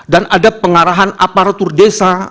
dan ada pengarahan aparatur desa